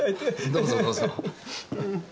どうぞどうぞ。